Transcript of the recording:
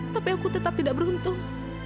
tapi aku tetap tidak beruntung